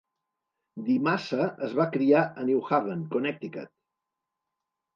DiMassa es va criar a New Haven, Connecticut.